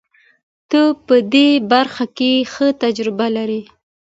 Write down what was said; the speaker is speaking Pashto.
ته په دې برخه کې ښه تجربه لرې.